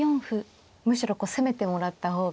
むしろ攻めてもらった方が。